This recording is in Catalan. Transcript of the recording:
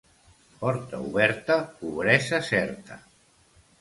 Porta oberta, pobresa certa.